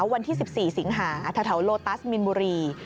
วันที่๑๔สิงหาแถวโลตัสมินบุรี